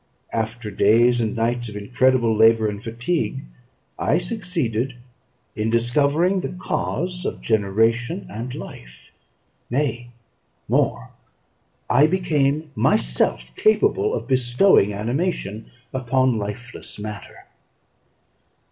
After days and nights of incredible labour and fatigue, I succeeded in discovering the cause of generation and life; nay, more, I became myself capable of bestowing animation upon lifeless matter.